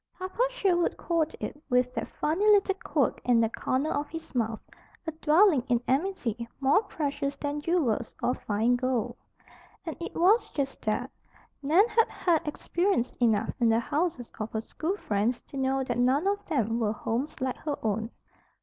Papa Sherwood called it, with that funny little quirk in the corner of his mouth, "a dwelling in amity, more precious than jewels or fine gold." And it was just that. Nan had had experience enough in the houses of her school friends to know that none of them were homes like her own.